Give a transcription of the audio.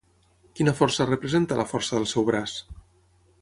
Quina força representa la força del seu braç?